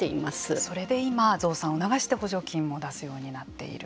それで今、増産を促して補助金を出すようになっている。